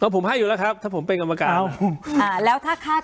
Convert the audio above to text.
ผมให้อยู่แล้วครับถ้าผมเป็นกรรมการอ่าแล้วถ้าคาด